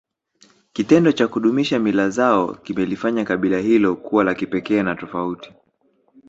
Kitendo cha kudumisha mila zao kimelifanya kabila hilo kuwa la kipekee na tofauti